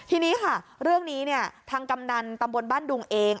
ทีนี้ค่ะเรื่องนี้เนี่ยทางกำนันตำบลบ้านดุงเอง